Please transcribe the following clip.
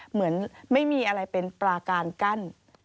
เหมือนไม่มีอะไรเป็นปลาการกั้น